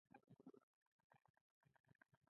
امریکا نن د مکسیکو او پیرو په پرتله په مراتبو بډایه ده.